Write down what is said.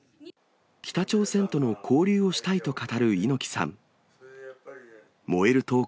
北朝鮮との交流をしたいと語る猪木さん。